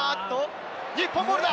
日本ボールだ！